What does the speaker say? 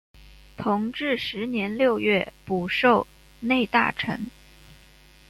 同治十年六月补授内大臣。